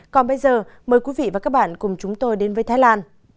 còn bây giờ mời quý vị và các bạn cùng chúng tôi đến với thái lan